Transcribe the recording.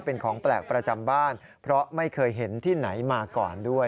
เป็นของแปลกประจำบ้านเพราะไม่เคยเห็นที่ไหนมาก่อนด้วย